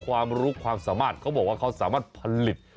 ความรู้ความสามารถเขาบอกว่าเขาสามารถผลิต